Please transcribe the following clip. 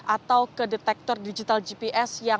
atau ke detektor digital gps